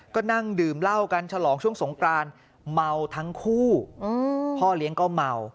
ก็นั่งดื่มเหล้ากันฉลองช่วงสงกรานเมาทั้งคู่พ่อเลี้ยงก็เมา